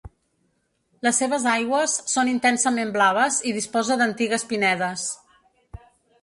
Les seves aigües són intensament blaves i disposa d'antigues pinedes.